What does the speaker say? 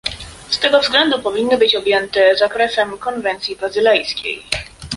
Z tego względu powinny być objęte zakresem konwencji bazylejskiej